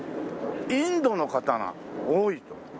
インドの方が多いと。